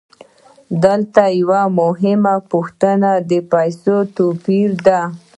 دلته یوه مهمه پوښتنه د پیسو د توپیر ده